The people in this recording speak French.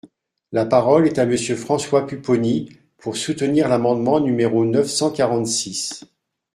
La parole est à Monsieur François Pupponi, pour soutenir l’amendement numéro neuf cent quarante-six.